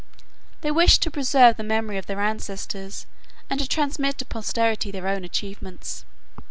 They wished to preserve the memory of their ancestors, and to transmit to posterity their own achievements.